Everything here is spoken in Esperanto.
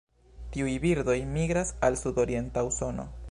Tiuj birdoj migras al sudorienta Usono.